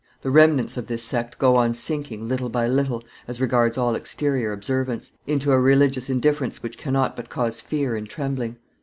The remnants of this sect go on sinking little by little, as regards all exterior observance, into a religious indifference which cannot but cause fear and trembling.